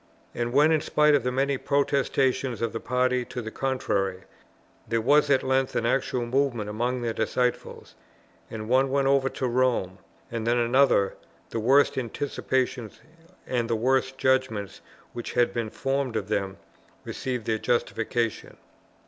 And when in spite of the many protestations of the party to the contrary, there was at length an actual movement among their disciples, and one went over to Rome, and then another, the worst anticipations and the worst judgments which had been formed of them received their justification.